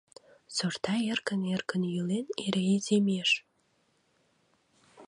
Сорта, эркын-эркын йӱлен, эре иземеш.